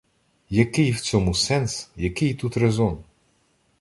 Який в цьому сенс, який тут резон?